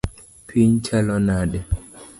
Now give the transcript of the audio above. Piny chalo nade?